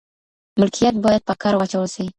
ملکيت بايد په کار واچول سي.